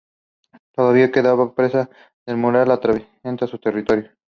Todavía quedaba presa del mural que atraviesan su territorio.